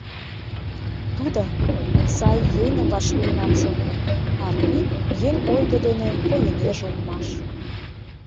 Тудо «Сай еҥым вашлийынам» шонен, а Арпик еҥ ойго дене пойынеже улмаш.